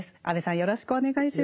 よろしくお願いします。